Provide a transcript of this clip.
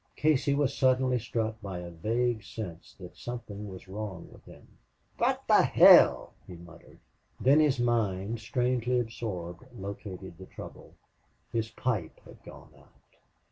Casey was suddenly struck by a vague sense that something was wrong with him. "Phwat the hell!" he muttered. Then his mind, strangely absorbed, located the trouble. His pipe had gone out!